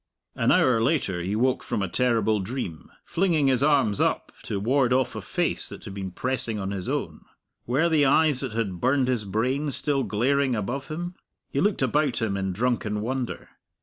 An hour later he woke from a terrible dream, flinging his arms up to ward off a face that had been pressing on his own. Were the eyes that had burned his brain still glaring above him? He looked about him in drunken wonder.